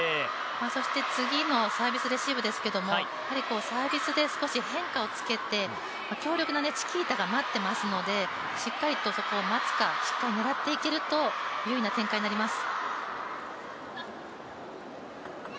そして次のサービスレシーブですけどもサービスで少し変化をつけて強力なチキータが待っていますので、しっかりとそこを待つか、しっかり狙っていけると、優位な展開になります。